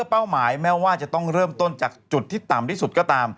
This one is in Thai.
ยาวจริงอะ